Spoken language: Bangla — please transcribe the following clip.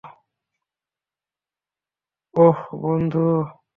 অহ, বন্ধু।